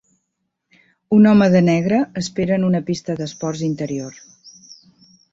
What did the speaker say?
Un home de negre espera en una pista d'esports interior.